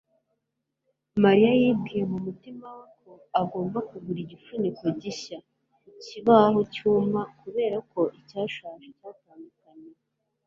Mariya yibwiye mu mutima we ko agomba kugura igifuniko gishya ku kibaho cyuma kubera ko icyashaje cyatandukanyaga